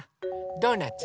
ドーナツ？